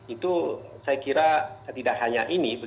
itu saya kira tidak hanya ini